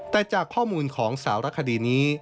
แต่จากข้อมูลของสารคดีนี้